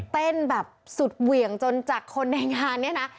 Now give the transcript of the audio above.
เต้นแบบสุดเหวี่ยงจนจากคนในงานเนี่ยนะ